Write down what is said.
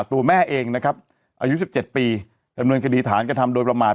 ตัวแม่เองนะครับอายุ๑๗ปีดำเนินคดีฐานกระทำโดยประมาณ